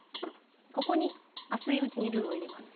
ここに熱いうちにルウを入れます